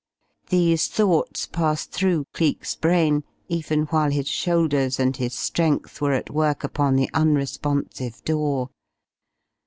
These thoughts passed through Cleek's brain even while his shoulders and his strength were at work upon the unresponsive door.